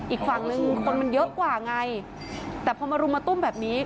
อีกฝั่งนึงคนมันเยอะกว่าไงแต่พอมารุมมาตุ้มแบบนี้